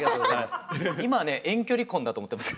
今はね遠距離婚だと思ってます。